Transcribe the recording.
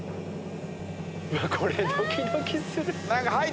これドキドキする。